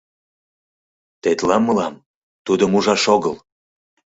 Тетла мылам тудым ужаш огыл!